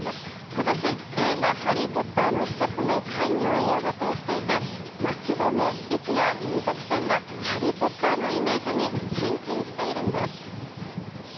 ことし、映画、ハリー・ポッターの施設の開業を予定していて、街でも駅や飲食店が、ハリー・ポッターのイメージに変身しているんです。